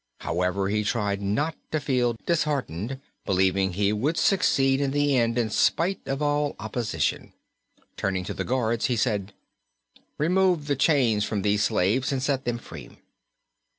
However, he tried not to feel disheartened, believing he would succeed in the end, in spite of all opposition. Turning to the guards, he said: "Remove the chains from these slaves and set them free."